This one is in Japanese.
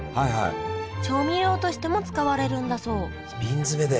調味料としても使われるんだそう瓶詰めで。